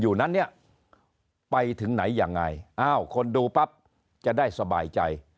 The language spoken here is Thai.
อยู่นั้นเนี่ยไปถึงไหนยังไงอ้าวคนดูปั๊บจะได้สบายใจ